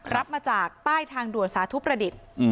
รับมาจากใต้ทางด่วนสาธุประดิษฐ์